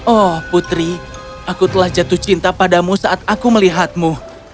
oh putri aku telah jatuh cinta padamu saat aku melihatmu